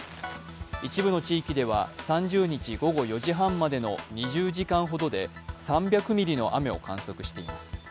一部の地域では３０日午後４時半までの２０時間ほどで３００ミリの雨を観測しています。